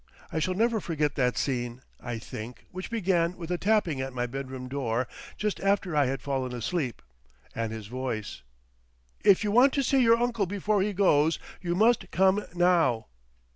I shall never forget that scene, I think, which began with a tapping at my bedroom door just after I had fallen asleep, and his voice— "If you want to see your uncle before he goes, you must come now."